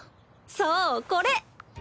そうこれ。